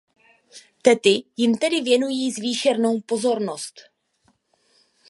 Tety jim tedy věnují zvýšenou pozornost.